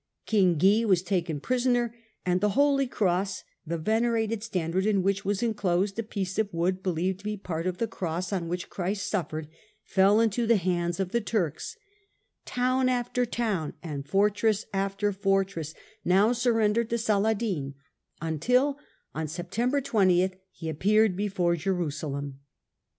King Guy was taken prisoner, merils^ and the Holy Cross, the venerated standard in which was l^ll ^' enclosed a piece of wood believed to be part of the cross on which Christ suffered, fell into the hands of the Turks, Town after town and fortress after fortress now sur rendered to Saladin, until on September 20th he appeared before Jerusalem.